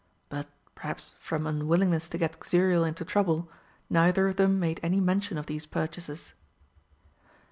But, perhaps from unwillingness to get Xuriel into trouble, neither of them made any mention of these purchases.